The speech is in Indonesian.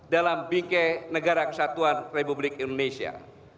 dalam bingkai negara kesatuan republik indonesia